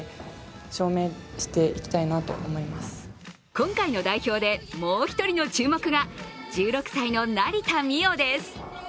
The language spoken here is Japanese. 今回の代表でもう１人の注目は、１６歳の成田実生です。